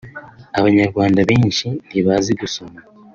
f) Abanyarwanda benshi ntibazi gusoma